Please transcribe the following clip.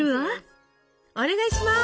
お願いします！